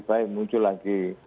baik muncul lagi